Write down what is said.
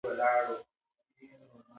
د شپې بهر مه ګرځه